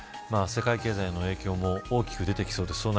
世界経済の影響も大きく出てきそうです。